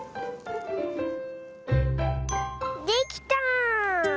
できた！